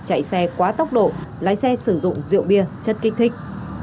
chạy xe quá tốc độ lái xe sử dụng rượu bia chất kích thích